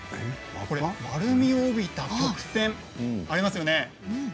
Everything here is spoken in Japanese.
丸みを帯びた曲線ありますよね